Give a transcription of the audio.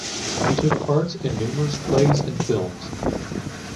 He took part in numerous plays and films.